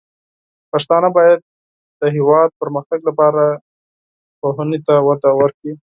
پښتانه بايد د هېواد د پرمختګ لپاره علم ته وده ورکړي.